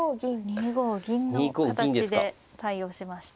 ２五銀の形で対応しました。